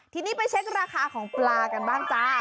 ทีนี้ไปเช็คราคาของปลากันบ้างจ้า